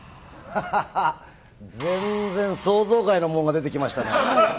全然想像外のものが出てきましたね。